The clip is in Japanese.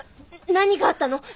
何があったの？